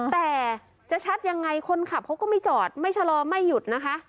แต่จะชัดยังไงคนขับเขาก็ไม่จอดไม่ชะลอไม่หยุดนะคะ